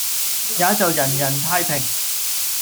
也就人人太平。